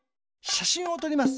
しゃしんをとります。